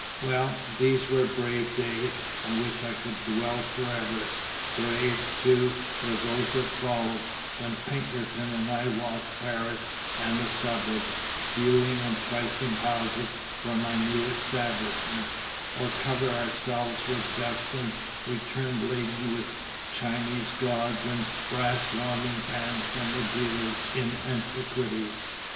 Well, these were brave days, on which I could dwell forever. Brave, too, were those that followed, when Pinkerton and I walked Paris and the suburbs, viewing and pricing houses for my new establishment, or covered ourselves with dust and returned laden with Chinese gods and brass warming pans from the dealers in antiquities.